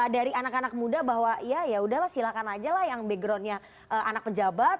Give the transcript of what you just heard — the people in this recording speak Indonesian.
dari anak anak muda bahwa ya yaudahlah silahkan aja lah yang backgroundnya anak pejabat